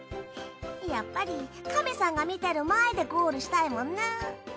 やっぱりかめさんが見てる前でゴールしたいもんな。